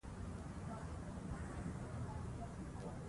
امپاير د بازۍ پرېکړي کوي.